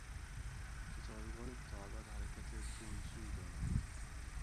ستارگانی که تا ابد حرکت برونسوی دارند